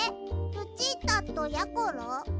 ルチータとやころ？